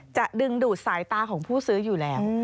จะดึงดูดสายตาของผู้ซื้ออยู่แล้ว